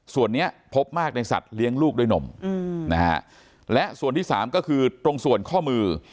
ส่วนนี้พบมากในสัตว์เลี้ยงลูกด้วยนมนะฮะและส่วนที่สามก็คือตรงส่วนข้อมือ